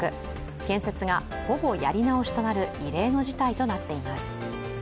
建設がほぼやり直しとなる異例の事態となっています。